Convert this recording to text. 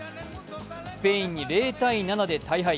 スペインに０−７で大敗。